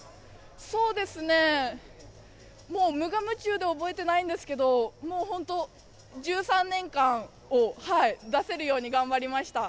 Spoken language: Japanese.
そうですね、もう無我夢中で覚えてないんですけど、もう本当、１３年間を出せるように頑張りました。